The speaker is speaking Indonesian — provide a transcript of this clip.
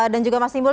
dan juga mas timbul